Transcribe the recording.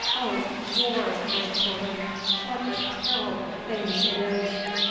Oh, war, my children, what a terrible thing it is!